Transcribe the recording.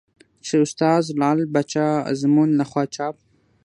چې استاد لعل پاچا ازمون له خوا چاپ